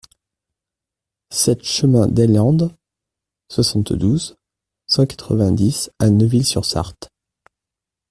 sept chemin d'Aillande, soixante-douze, cent quatre-vingt-dix à Neuville-sur-Sarthe